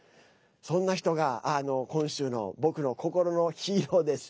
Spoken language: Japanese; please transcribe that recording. そんな人が今週の僕の心のヒーローです。